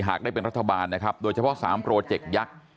ได้เป็นรัฐบาลนะครับโดยเฉพาะ๓โปรเจกต์ยักษ์